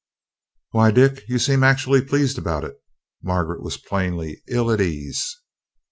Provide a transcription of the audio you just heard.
"Why, Dick, you seem actually pleased about it." Margaret was plainly ill at ease.